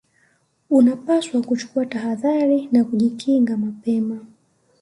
unapaswa kuchukua tahadhari na kujikinga mapema